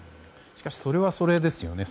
しかしそれはそれですよね。